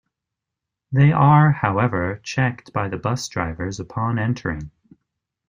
They are however checked by the bus drivers upon entering.